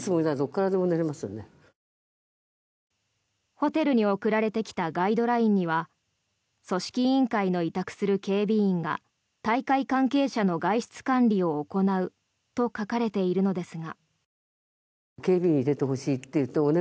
ホテルに送られてきたガイドラインには組織委員会の委託する警備員が大会関係者の外出管理を行うと書かれているのですが。